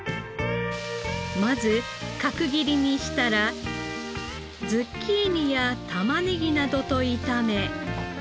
まず角切りにしたらズッキーニや玉ねぎなどと炒め。